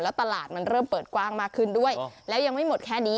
ตลาดมันเริ่มเปิดกว้างมากขึ้นด้วยแล้วยังไม่หมดแค่นี้